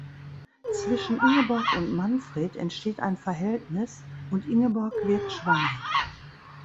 Zwischen Ingeborg und Manfred entsteht ein Verhältnis und Ingeborg wird schwanger.